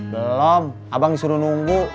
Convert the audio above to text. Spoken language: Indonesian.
belom abang disuruh nunggu